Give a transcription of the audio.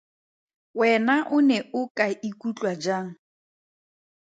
Wena o ne o ka ikutlwa jang?